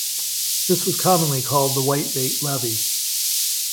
This was commonly called the whitebait levy.